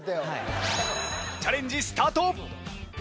チャレンジスタート！